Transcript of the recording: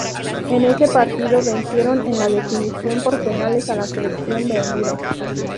En ese partido vencieron en la definición por penales a la selección de Honduras.